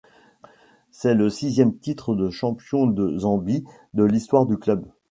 C'est le sixième titre de champion de Zambie de l'histoire du club.